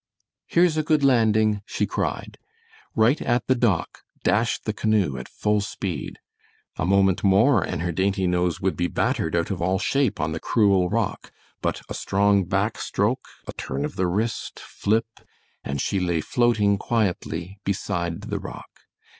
"Here's a good landing," she cried. Right at the rock dashed the canoe at full speed. A moment more and her dainty nose would be battered out of all shape on the cruel rock, but a strong back stroke, a turn of the wrist, flip, and she lay floating quietly beside the rock.